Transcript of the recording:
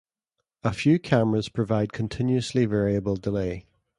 A few cameras provide continuously variable delay.